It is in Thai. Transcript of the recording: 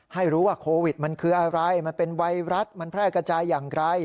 ให้รู้ว่าโควิดมันคืออะไรมันเป็นไวรัสมันแพร่กระจายอย่างไร